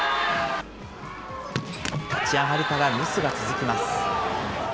立ち上がりからミスが続きます。